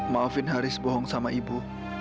maafin haris bohong sama ibu